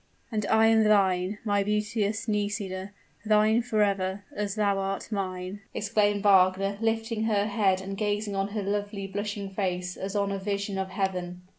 "And I am thine, my beauteous Nisida; thine forever, as thou art mine!" exclaimed Wagner, lifting her head and gazing on her lovely, blushing face as on a vision of heaven.